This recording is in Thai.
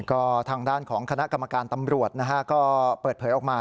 ก็ทางด้านของคณะกรรมการตำรวจนะฮะก็เปิดเผยออกมา